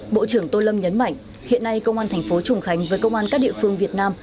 bộ trưởng tô lâm nhấn mạnh hiện nay công an thành phố trùng khánh với công an các địa phương việt nam